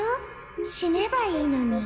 死ねばいいのに。